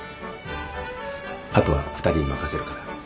あとは２人に任せるから。